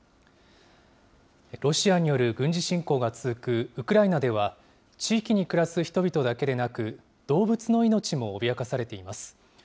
ロシアによる軍事侵攻が続くウクライナでは、地域に暮らす人々だけでなく、動物の命も脅かされています。